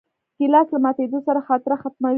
ګیلاس له ماتېدو سره خاطره ختموي.